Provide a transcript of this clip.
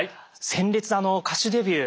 鮮烈歌手デビュー